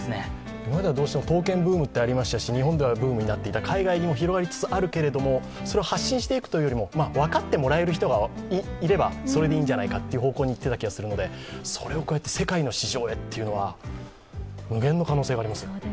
今まではどうしても刀剣ブームってありましたし、日本ではブームになっていた、海外でも広がりつつあるけども、それを発信していくというよりも分かってもらえる人がいればそれでいいんじゃないかっていう方向にいっていた気がするのでそれをこうやって世界の市場へっていうのは無限の可能性がありますね。